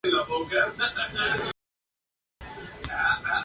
Recientemente ha participado como colaborador en diversos medios de comunicación.